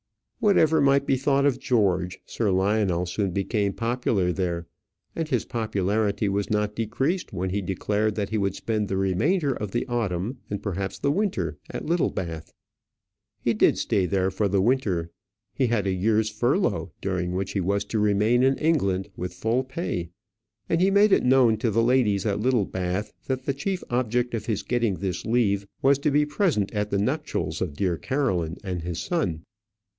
Whatever might be thought of George, Sir Lionel soon became popular there, and his popularity was not decreased when he declared that he would spend the remainder of the autumn, and perhaps the winter, at Littlebath. He did stay there for the winter. He had a year's furlough, during which he was to remain in England with full pay, and he made it known to the ladies at Littlebath that the chief object of his getting this leave was to be present at the nuptials of dear Caroline and his son.